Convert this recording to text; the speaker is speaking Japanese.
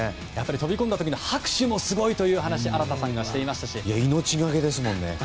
飛び込んだ時の拍手もすごいと命がけですもんね。